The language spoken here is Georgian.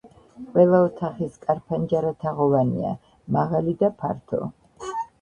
ყველა ოთახის კარ-ფანჯარა თაღოვანია, მაღალი და ფართო.